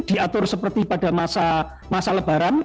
diatur seperti pada masa lebaran